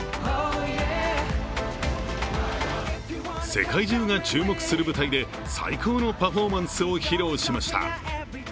世界中が注目する舞台で最高のパフォーマンスを披露しました。